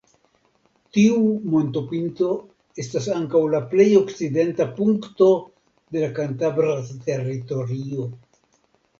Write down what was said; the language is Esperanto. Tiu montopinto estas ankaŭ la plej okcidenta punkto de la kantabra teritorio.